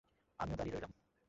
আমিও দাঁড়িয়ে রইলাম।